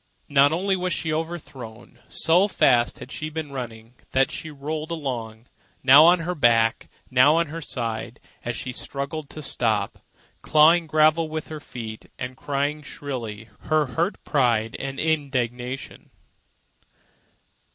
Not only was she overthrown. So fast had she been running that she rolled along, now on her back, now on her side, as she struggled to stop, clawing gravel with her feet and crying shrilly her hurt pride and indignation.